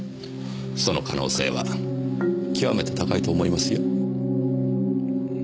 その可能性は極めて高いと思いますよ。